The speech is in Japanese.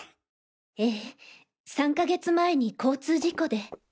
ええ３か月前に交通事故で。